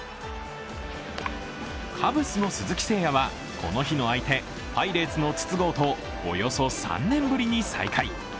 カブスの鈴木誠也はこの日の相手パイレーツの筒香とおよそ３年ぶりに再会。